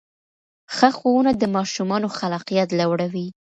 ښه ښوونه د ماشومانو خلاقیت لوړوي.